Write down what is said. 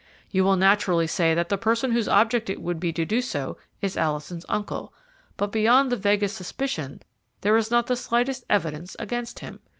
You will naturally say that the person whose object it would be to do so is Alison's uncle, but beyond the vaguest suspicion, there is not the slightest evidence against him.